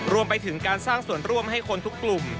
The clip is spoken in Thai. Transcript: รวมไปถึงการสร้างส่วนร่วมให้คนทุกกลุ่ม